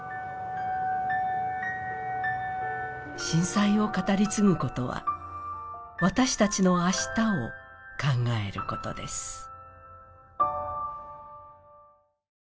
震災を語り継ぐことは私達の明日を考えることです